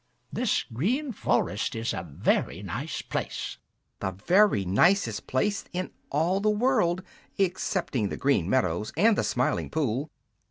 This Green Forest is a very nice place." "The very nicest place in all the world excepting the Green Meadows and the Smiling Pool!"